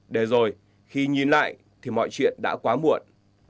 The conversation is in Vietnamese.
để rồi khi nhìn lại thì mọi chuyện đã quá muộn